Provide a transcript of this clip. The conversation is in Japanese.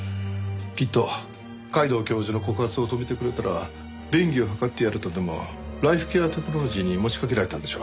きっと皆藤教授の告発を止めてくれたら便宜を図ってやるとでもライフケアテクノロジーに持ちかけられたんでしょう。